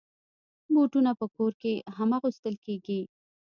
بوټونه په کور کې هم اغوستل کېږي.